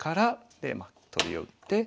でまあ取りを打って。